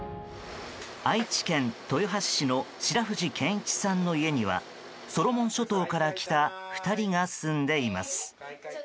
愛知県豊橋市の白藤謙一さんの家にはソロモン諸島から来た２人が住んでいます。